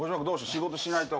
仕事しないと。